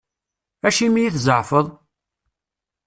Acimi i tzeɛfeḍ?